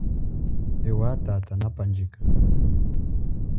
Ewa tata na pandjika.